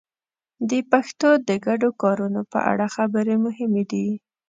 د پښتو د ګډو کارونو په اړه خبرې مهمې دي.